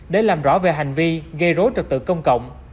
để làm rõ về hành vi gây rối trật tự công cộng